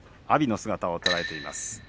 阿炎の姿を捉えています。